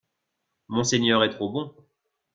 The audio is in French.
Monseigneur est trop bon